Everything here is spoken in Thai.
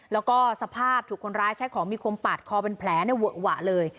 แล้วก็สภาพถูกคนร้ายใช้ของมีคมปาดคอเป็นแผลเวอะหวะเลย